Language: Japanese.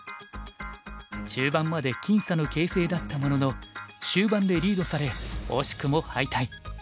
中盤まで僅差の形勢だったものの終盤でリードされ惜しくも敗退。